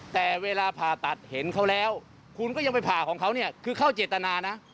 แต่เวลาผ่าตัดเห็นเขาแล้วคุณก็ยังไปผ่าของเขาเนี่ยคือเข้าเจตนานะ